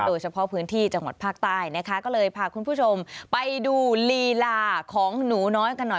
โดยเฉพาะพื้นที่จังหวัดภาคใต้นะคะก็เลยพาคุณผู้ชมไปดูลีลาของหนูน้อยกันหน่อย